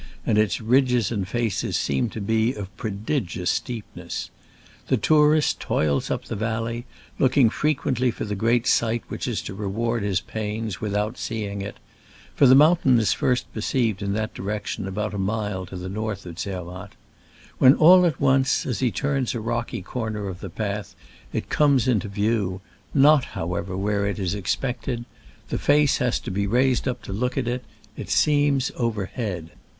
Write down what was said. and its ridges and faces seem to be of prodigious steepness. The tourist toils up the valley, looking frequently for the great sight which is to reward his pains, without seeing it (for the moun tain is first perceived in that direction about a mile to the north of Zermatt), when all at once, as he turns a rocky corner of the path, it comes into view, not, however, where it is expected : the face has to be raised up to look at it — it seems overhead.